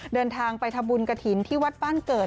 เดินทางไปทำบุญกระถิ่นที่วัดบ้านเกิด